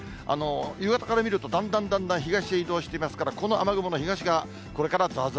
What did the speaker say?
夕方から見ると、だんだんだんだん、東へ移動していますから、この雨雲の東側、これからざーざー